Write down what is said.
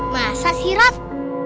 masa sih raff